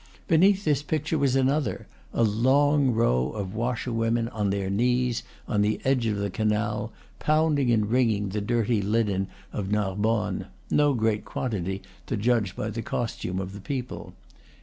Beneath this picture was another, a long row of washerwomen, on their knees on the edge of the canal, pounding and wringing the dirty linen of Narbonne, no great quantity, to judge by the costume of the people.